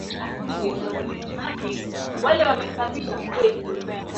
Kwa upande wa kaskazini ambayo ni sehemu ya